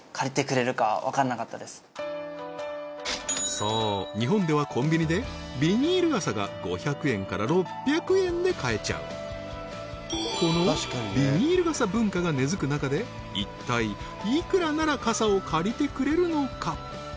そう日本ではコンビニでビニール傘が５００円から６００円で買えちゃうこのビニール傘文化が根付く中で一体いくらなら傘を借りてくれるのか？